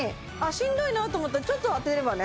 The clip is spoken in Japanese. しんどいなって思ったらちょっと当てればね